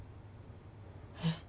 えっ？